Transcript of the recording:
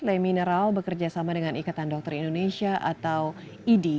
le mineral bekerjasama dengan ikatan dokter indonesia atau idi